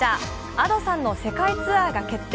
Ａｄｏさんの世界ツアーが決定。